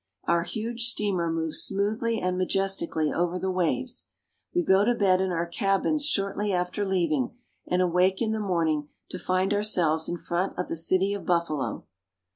Our huge steamer moves smoothly and majestically over the waves. We go to bed in our cabins shortly after leav ing, and awake in the morning to find ourselves in front of the city of Buffalo.